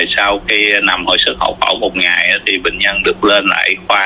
sau khi nằm hồi sức hậu phẫu một ngày thì bệnh nhân được lên lại khoa